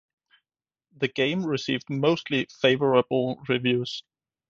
The game received mostly favorable reviews.